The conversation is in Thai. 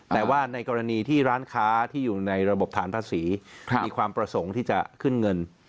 แต่ว่าในกรณีที่ร้านค้าที่อยู่ในระบบฐานภาษีมีความประสงค์ที่จะขึ้นเงิน